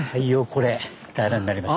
これ平らになりました。